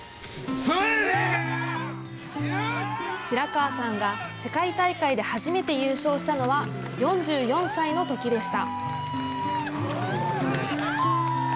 白川さんが世界大会で初めて優勝したのは、４４歳のときでした。